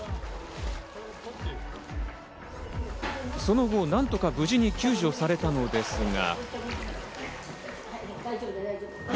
その後、何とか無事に救助されたのですが。